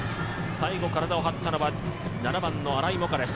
最後体を張ったのは７番の新井萌禾です。